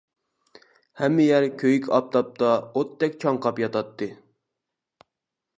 ھەممە يەر كۆيۈك ئاپتاپتا ئوتتەك چاڭقاپ ياتاتتى.